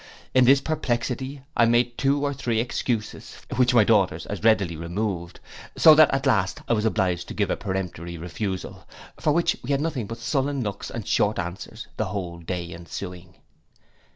In this perplexity I made two or three excuses, which my daughters as readily removed; so that at last I was obliged to give a peremptory refusal; for which we had nothing but sullen looks and short answers the whole day ensuing.